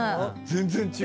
全然違う！